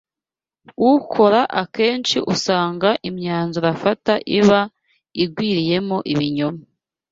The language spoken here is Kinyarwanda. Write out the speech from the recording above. uko akenshi usanga imyanzuro afata iba igwiriyemo ibinyoma